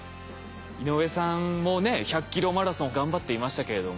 井上さんもね１００ｋｍマラソン頑張っていましたけれども。